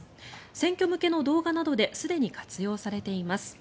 選挙向けの動画などですでに活用されています。